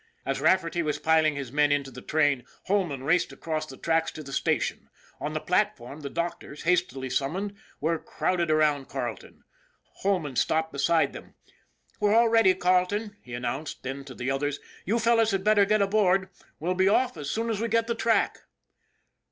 As Rafferty was piling his men into the train, Holman raced across the tracks to the station. On the platform the doctors, hastily summoned, were crowded around Carleton. Holman stopped beside them. "We're all ready, Carleton," he announced; then to the others :" You fellows had better get aboard; we'll be off as soon as we get the track."